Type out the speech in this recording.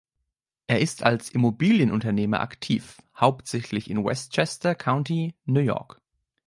Er ist als Immobilienunternehmer aktiv, hauptsächlich in Westchester County, New York.